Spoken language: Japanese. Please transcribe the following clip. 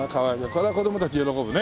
これは子供たち喜ぶね。